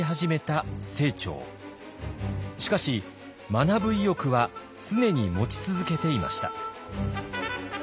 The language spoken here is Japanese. しかし学ぶ意欲は常に持ち続けていました。